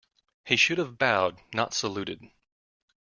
He should have bowed, not saluted